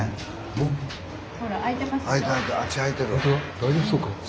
大丈夫そうかな。